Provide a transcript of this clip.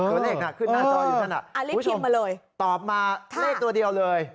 คุณเอกน่ะขึ้นหน้าจออยู่ข้างหน้าคุณผู้ชมตอบมาเลขตัวเดียวเลย